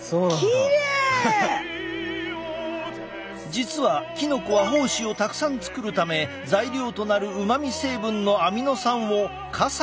実はキノコは胞子をたくさん作るため材料となるうまみ成分のアミノ酸を傘に集めているのだ。